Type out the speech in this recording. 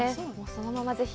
そのままぜひ。